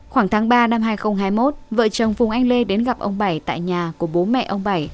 khoảng tháng ba năm hai nghìn hai mươi một vợ chồng phùng anh lê đến gặp ông bảy tại nhà của bố mẹ ông bảy